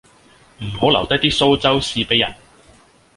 唔好留低啲蘇州屎俾人